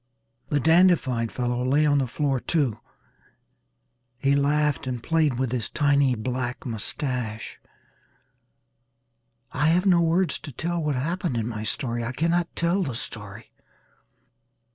The dandified fellow lay on the floor too. He laughed and played with his tiny black mustache. I have no words to tell what happened in my story. I cannot tell the story.